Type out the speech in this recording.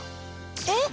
えっ！